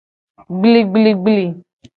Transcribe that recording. Gbligbligbli.